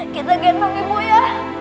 kita gentong ibu ya